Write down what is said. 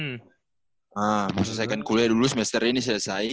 nah selesaikan kuliah dulu semester ini selesai